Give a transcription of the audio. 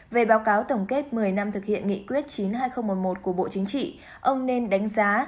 về báo cáo tổng kết một mươi năm thực hiện nghị quyết chín mươi hai nghìn một mươi một của bộ chính trị ông nên đánh giá